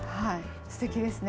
すてきですね。